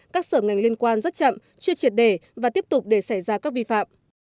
các sở ngành liên quan rất chậm chưa triệt để và tiếp tục để xảy ra các vi phạm